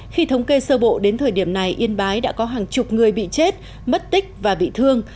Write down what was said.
khi thống kê sơ bộ đến thời điểm này yên bái đã có hàng chục người bị chết mất tích và bị thương